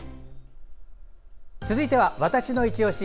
続いては「＃わたしのいちオシ」